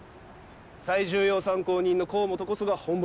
最重要参考人の河本こそがホンボシ。